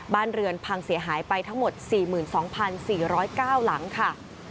บ้านเรือนพังเสียหายไปทั้งหมด๔๒๔๐๙หลังค่ะ